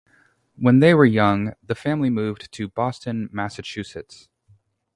When they were young the family moved to Boston, Massachusetts.